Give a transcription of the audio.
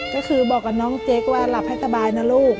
ก็คือบอกกับน้องเจ๊กว่าหลับให้สบายนะลูก